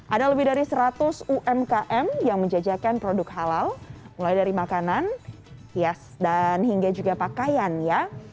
ada lebih dari seratus umkm yang menjajakan produk halal mulai dari makanan hias dan hingga juga pakaian ya